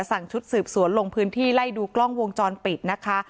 สั่งชุดสืบสวนลงพื้นที่ไล่ดูกล้องวงจรปิดนะคะ